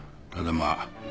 ただまあ